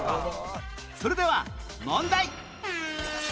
それでは問題